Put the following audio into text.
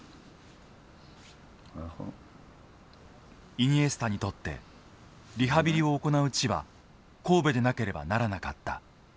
イニエスタにとってリハビリを行う地は神戸でなければならなかった。